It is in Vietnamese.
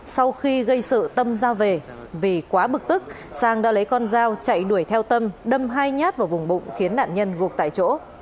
sau khi gây sự tâm ra về vì quá bực tức sang đã lấy con dao chạy đuổi theo tâm đâm hai nhát vào vùng bụng khiến nạn nhân gục tại chỗ